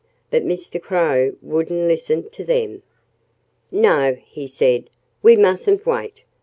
But Mr. Crow wouldn't listen to them. "No!" he said. "We mustn't wait.